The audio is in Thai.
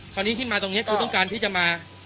คราวนี้ที่มาตรงนี้คือต้องการที่จะมา